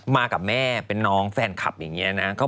มากับแม่เป็นน้องแฟนคลับอย่างนี้นะ